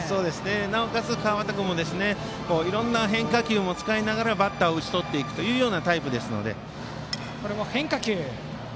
なおかつ、川端君もいろいろな変化球を使いながらバッターを打ち取っていくというタイプですので。